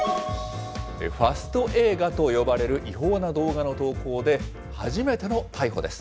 ファスト映画と呼ばれる違法な動画の投稿で、初めての逮捕です。